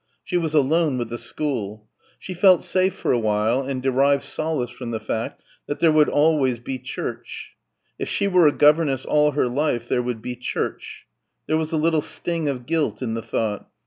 She was alone with the school. She felt safe for a while and derived solace from the reflection that there would always be church. If she were a governess all her life there would be church. There was a little sting of guilt in the thought.